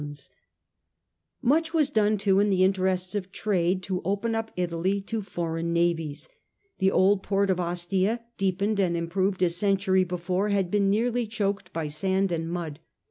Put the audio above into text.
A.D. The Age of the Antonines. Pliny, vi. 3 *. Much was done too in the interests of trade to open up Italy to foreign navies. The old port of Ostia , deepened and improved a century before, had been nearly choked by sand and mud.